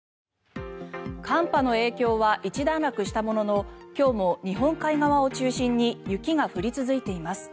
寒波の影響は一段落したものの今日も日本海側を中心に雪が降り続いています。